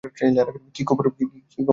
কী খবর, সুদর্শন?